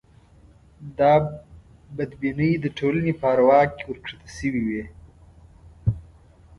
دا بدبینۍ د ټولنې په اروا کې ورکښته شوې وې.